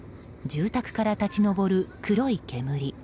住宅から立ち上る黒い煙。